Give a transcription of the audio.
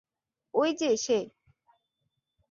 ওই যে সে।